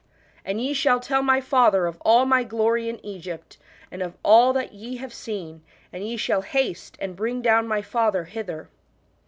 " And ye shall tell my father of all my glory in Egypt, and of all that ye r have seen ; and ye shall haste and bring down my father hither."